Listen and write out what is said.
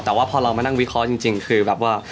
แต่ว่าพอเรามานั่งวิเคราะห์จริงคือแบบว่า